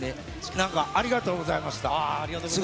なんか、ありがとうございました。